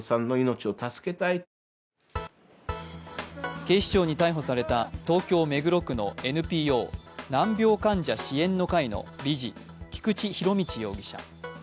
警視庁に逮捕された東京・目黒区のＮＰＯ難病患者支援の会の理事、菊池仁達容疑者。